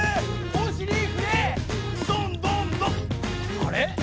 あれ？